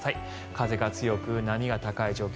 風が強く波が高い状況